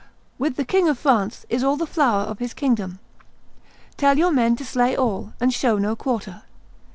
With the King of France is all the flower of his kingdom. Tell your men to slay all, and show no quarter.